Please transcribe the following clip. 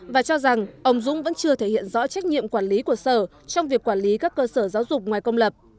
và cho rằng ông dũng vẫn chưa thể hiện rõ trách nhiệm quản lý của sở trong việc quản lý các cơ sở giáo dục ngoài công lập